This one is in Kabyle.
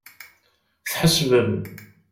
Tḥesbem.